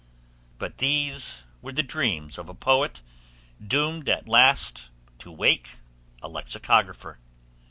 But these were the dreams of a poet doomed at last to wake a lexicographer.